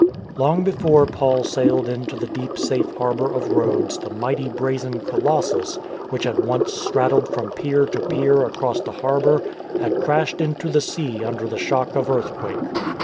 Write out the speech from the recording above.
Long before Paul sailed into the deep safe harbour of Rhodes the mighty brazen Colossus, which had once straddled from pier to pier across the harbour, had crashed into the sea under the shock of earth quake.